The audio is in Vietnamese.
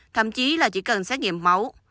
thậm chí là chỉ cần xét nghiệm máu